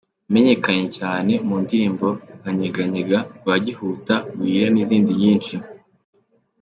Yamenyekanye cyane mu ndirimbo nka Nyeganyega, Rwagihuta, Wirira n’izindi nyinshi.